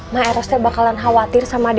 ma eros teh bakalan khawatir sama dede